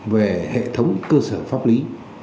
về hệ thống cơ sở pháp lý